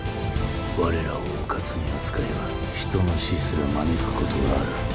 我らをうかつに扱えば人の死すら招くことがある。